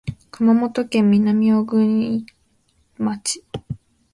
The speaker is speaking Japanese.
熊本県南小国町